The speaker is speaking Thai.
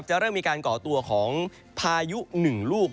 จะเริ่มมีการก่อตัวของพายุ๑ลูก